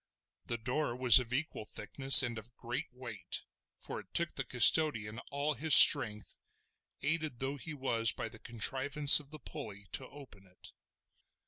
The door was of equal thickness and of great weight, for it took the custodian all his strength, aided though he was by the contrivance of the pulley, to open it.